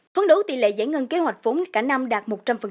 phấn đấu tỷ lệ giải ngân kế hoạch vốn cả năm đạt một trăm linh